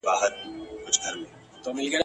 لکه ښه ورځ چي یې هیڅ نه وي لیدلې ..